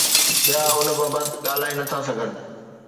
ٻيا ان بابت ڳالهائي نٿا سگهن.